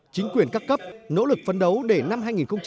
chính quyền các cấp nỗ lực phấn đấu để năm hai nghìn một mươi chín